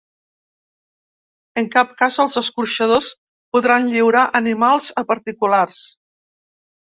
En cap cas, els escorxadors podran lliurar animals a particulars.